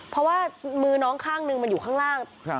เพราะว่ามือน้องข้างนึงมันอยู่ข้างล่าง